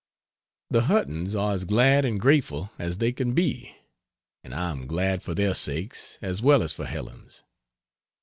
The Huttons are as glad and grateful as they can be, and I am glad for their sakes as well as for Helen's.